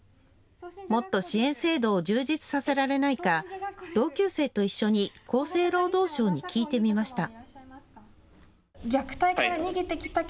もっと支援制度を充実させられないか、同級生と一緒に厚生労働省に聞いてみました。